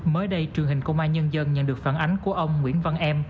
mới đây truyền hình công an nhân dân nhận được phản ánh của ông nguyễn văn em